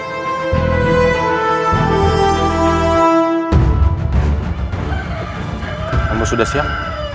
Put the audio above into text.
kamu sudah siap